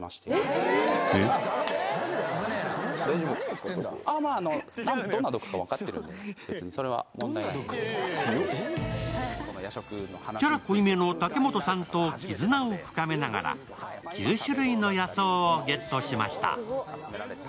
するとキャラ濃いめの茸本さんと絆を深めながら９種類の野草をゲットしました。